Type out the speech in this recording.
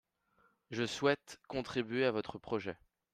Je souhaite contribuer à votre projet